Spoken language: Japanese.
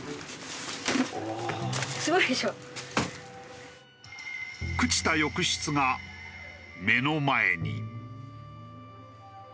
朽ちた浴室が目の前に。